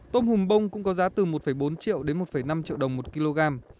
tôm hùm bông cũng có giá từ một bốn triệu đến một năm triệu đồng một kg